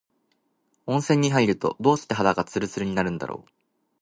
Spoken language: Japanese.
温泉に入ると、どうして肌がつるつるになるんだろう。